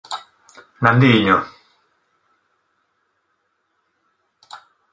¡Nandiño!